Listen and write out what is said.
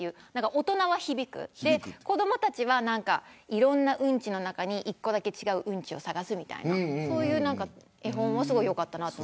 大人は響く、子どもたちはいろんなうんちの中に一個だけ違ううんちを探すみたいなそういう絵本よかったなと。